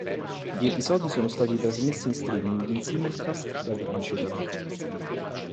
Gli episodi sono stati trasmessi in streaming in simulcast da Crunchyroll.